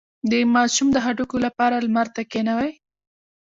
د ماشوم د هډوکو لپاره لمر ته کینوئ